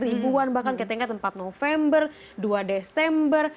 ribuan bahkan ketika empat november dua desember